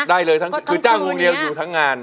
ได้เลยทั้งคือจ้างวงเดียวอยู่ทั้งงาน